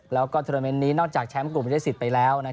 แล้วก็ธุรกิจนี้นอกจากแชมป์กลุ่มได้สิทธิ์ไปแล้ว